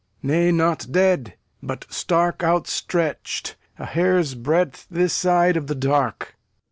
Nay, not dead; but stark Outstretched, a hairsbreadth this side of the dark.